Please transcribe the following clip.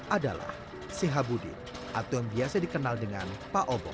adalah sehabudin atau yang biasa dikenal dengan pak obo